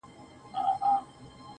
خو دده زامي له يخه څخه رېږدي,